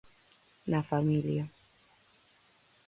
Na familia.